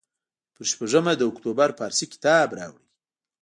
پر شپږمه د اکتوبر پارسي کتاب راوړ.